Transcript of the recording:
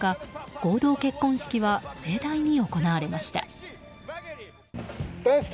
合同結婚式は盛大に行われました。